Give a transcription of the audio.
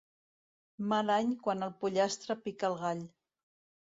Mal any quan el pollastre pica al gall.